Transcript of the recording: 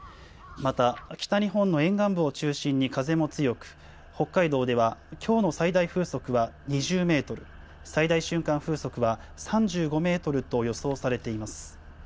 また、北日本の沿岸部を中心に風も強く、北海道ではきょうの最大風速は２０メートル、最大瞬間風速は３５メートルと予想されています。